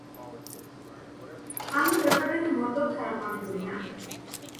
আমি ব্যাপারটাকে মোটেও খারাপ মনে করি না।